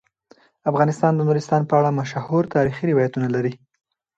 افغانستان د نورستان په اړه مشهور تاریخی روایتونه لري.